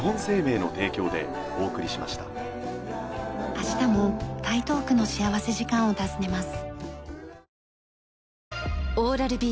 明日も台東区の幸福時間を訪ねます。